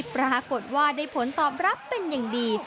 ปรากฏว่าได้ผลตอบรับเป็นอย่างดี